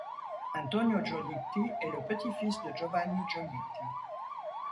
Antonio Giolitti est le petit-fils de Giovanni Giolitti.